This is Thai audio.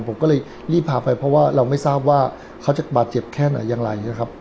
ผมก็เลยรีบพาไปเพราะว่าเราไม่ทราบว่าเขาจะบาดเจ็บแค่ไหนอย่างไรนะครับ